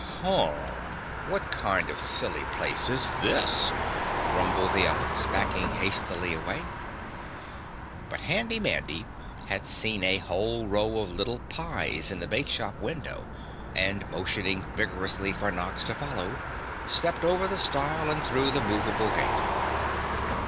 "Hu what kind of silly place is this?" rumbled the Ox backing hastily away. But Handy Mandy had seen a whole row of little pies in the bakeshop window and motioning vigorously for Nox to follow, stepped over the stile and through the movable gate.